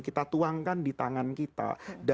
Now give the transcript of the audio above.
kita tuangkan di tangan kita